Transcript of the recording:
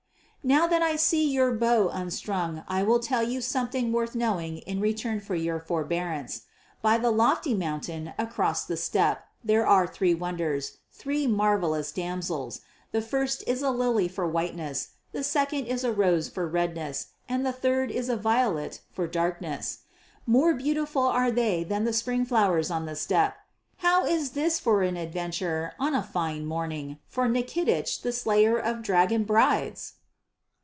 Now that I see your bow unstrung I will tell you something worth knowing in return for your forbearance. By the lofty mountain across the steppe there are three wonders, even three marvellous damsels. The first is a lily for whiteness, the second is a rose for redness, and the third is a violet for darkness. More beautiful are they than the spring flowers on the steppe. How is this for an adventure on a fine morning for Nikitich the slayer of dragon brides?"